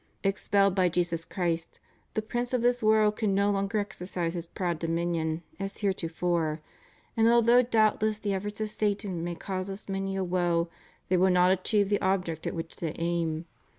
Expelled by Jesus Christ, the prince of this world can no longer exer cise his proud dominion as heretofore; and although doubtless the efforts of Satan may cause us many a woe they will not achieve the object at which they aim.